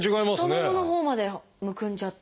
太もものほうまでむくんじゃって。